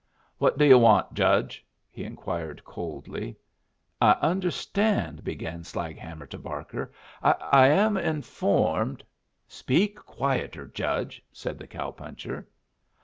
"What do you want, Judge?" he inquired, coldly. "I understand," began Slaghammer to Barker "I am informed " "Speak quieter, Judge," said the cow puncher.